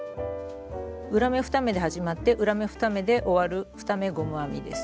裏目２目で始まって裏目２目で終わる２目ゴム編みです。